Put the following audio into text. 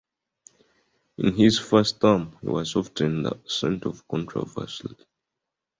In his first term, he was often the centre of controversy.